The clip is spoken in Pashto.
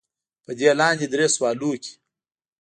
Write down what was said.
پۀ دې لاندې درې سوالونو کښې